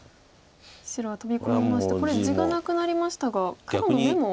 白はトビ込みましてこれ地がなくなりましたが黒の眼も。